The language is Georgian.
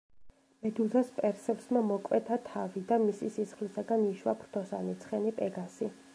მედუზას პერსევსმა მოკვეთა თავი და მისი სისხლისაგან იშვა ფრთოსანი ცხენი პეგასი.